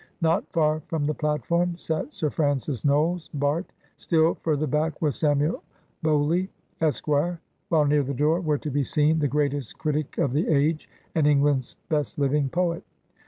Not far from the platform sat Sir Francis Knowles, Bart. ; still further back was Samuel Bowley, Esq., while near the door were to be seen the greatest critic of the age, and England's best living poet.